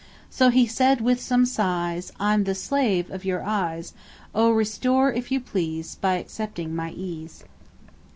So he said, with some sighs, I'm the slave of your iis; Oh, restore, if you please, By accepting my ees.